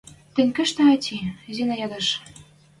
«Тӹнь кышкы, ӓти? — Зина ядеш. —